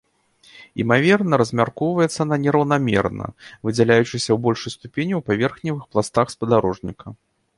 Імаверна, размяркоўваецца яна нераўнамерна, выдзяляючыся ў большай ступені ў паверхневых пластах спадарожніка.